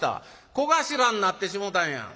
「小頭になってしもたんや」。